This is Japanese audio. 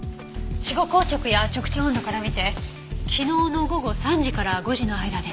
死後硬直や直腸温度から見て昨日の午後３時から５時の間です。